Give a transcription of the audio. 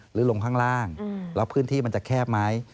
ลงข้างล่างแล้วพื้นที่มันจะแคบไหม